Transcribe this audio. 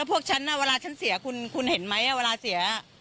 พวกฉันเวลาฉันเสียคุณเห็นไหมเวลาเสีย